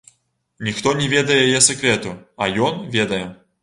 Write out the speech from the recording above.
Ніхто не ведае яе сакрэту, а ён ведае.